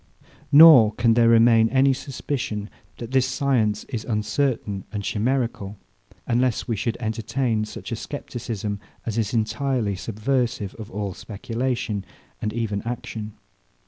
Nor can there remain any suspicion, that this science is uncertain and chimerical; unless we should entertain such a scepticism as is entirely subversive of all speculation, and even action.